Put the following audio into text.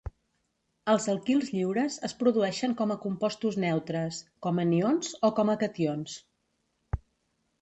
Els alquils lliures es produeixen com a compostos neutres, com anions, o com a cations.